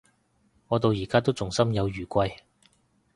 我到而家都仲心有餘悸